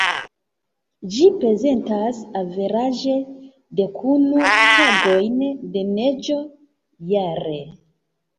Ĝi prezentas averaĝe, dekunu tagojn de neĝo jare.